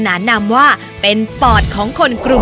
ใบตองรัชตวรรณโธชนุกรุณค่ะ